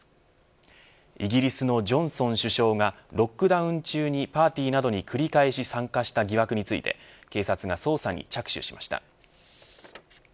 イギリスのジョンソン首相はロックダウン中にパーティーなどに繰り返し参加した疑惑について警察が捜査に着手しました。